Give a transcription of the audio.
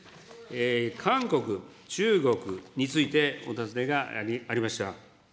韓国、中国についてお尋ねがありました。